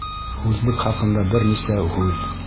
Һүҙлек хаҡында бер нисә һүҙ